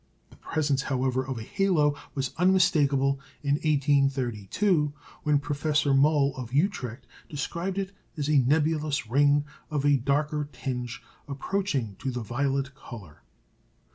The presence, however, of a "halo" was unmistakable in 1832, when Professor Moll, of Utrecht, described it as a "nebulous ring of a darker tinge approaching to the violet colour."